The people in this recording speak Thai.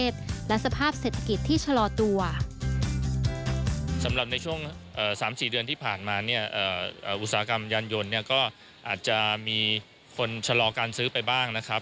สำหรับในช่วง๓๔เดือนที่ผ่านมาเนี่ยอุตสาหกรรมยานยนต์ก็อาจจะมีคนชะลอการซื้อไปบ้างนะครับ